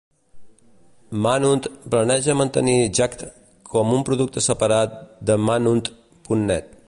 Manhunt planeja mantenir Jack'd com un producte separat de Manhunt punt net.